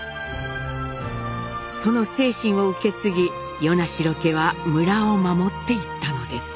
その精神を受け継ぎ与那城家は村を守っていったのです。